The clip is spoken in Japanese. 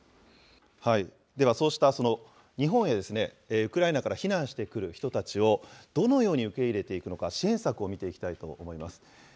では、そうした日本へウクライナから避難してくる人たちを、どのように受け入れていくのか、支援策を見ていきたいと思います。